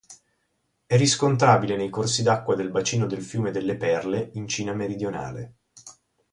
È riscontrabile nei corsi d'acqua del bacino del fiume delle Perle, in Cina meridionale.